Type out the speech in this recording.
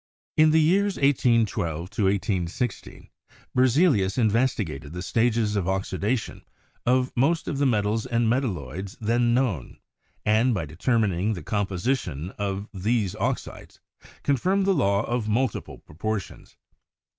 In the years 1812 to 1816, Berzelius investigated the stages of oxidation of most of the metals and metalloids then known, and, by determining the composition of these oxides, confirmed the law of multiple proportions.